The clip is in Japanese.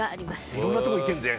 いろんなところ行けるね。